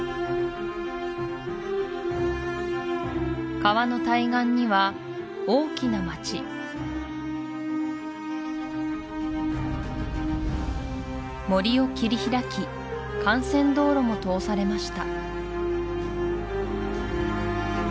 川の対岸には大きな町森を切り開き幹線道路も通されました